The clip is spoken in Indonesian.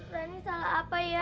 rani salah apa ya